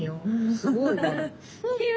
すごいわ。